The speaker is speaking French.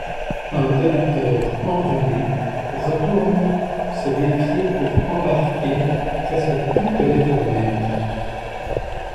Un donateur enrhumé retourne se méfier pour embarquer presque toutes les fournaises.